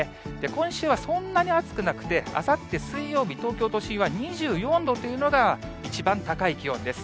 今週はそんなに暑くなくて、あさって水曜日、東京都心は２４度というのが一番高い気温です。